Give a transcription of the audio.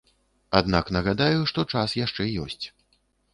Аднак нагадаю, што час яшчэ ёсць.